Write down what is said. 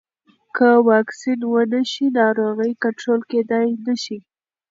که واکسین ونه شي، ناروغي کنټرول کېدای نه شي.